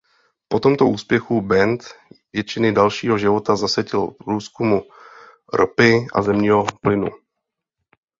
Po tomto úspěchu Band většinu dalšího života zasvětil průzkumu ropy a zemního plynu.